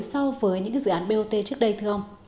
so với những dự án bot trước đây thưa ông